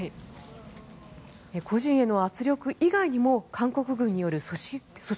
個人への圧力以外にも韓国軍による組織